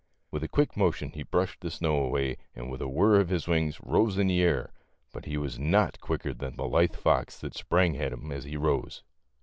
With a quick motion he brushed the snow away and with a whir of his wings rose in air, but he was not quicker than the lithe fox that sprang at him as he rose.